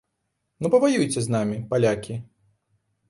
Ну паваюйце з намі, палякі!